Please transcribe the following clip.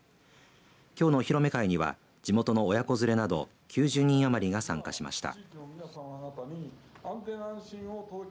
きょうのお披露目会には地元の親子連れなど９０人余りが参加しました。